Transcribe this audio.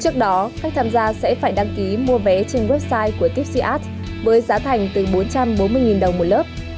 trước đó khách tham gia sẽ phải đăng ký mua vé trên website của tips với giá thành từ bốn trăm bốn mươi đồng một lớp